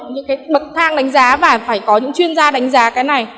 những cái bậc thang đánh giá và phải có những chuyên gia đánh giá cái này